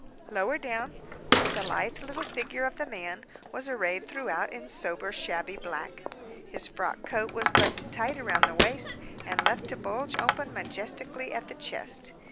Lower down, the lithe little figure of the man was arrayed throughout in sober shabby black. His frock coat was buttoned tight round the waist, and left to bulge open majestically at the chest.